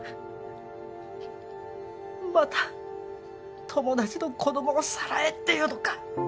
また友達の子供をさらえっていうのか？